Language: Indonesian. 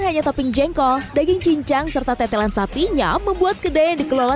hanya topping jengkol daging cincang serta tetelan sapinya membuat kedai yang dikelola